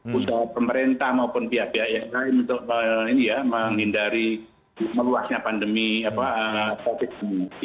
pusat pemerintah maupun pihak pihak yang lain untuk menghindari meluasnya pandemi covid sembilan belas